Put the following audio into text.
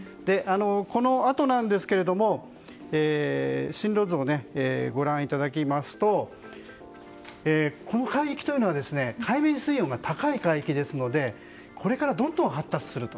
このあと進路図をご覧いただくとこの海域は海面水温が高い海域ですのでこれからどんどん発達すると。